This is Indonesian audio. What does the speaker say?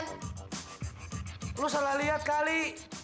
kamu salah melihatnya kali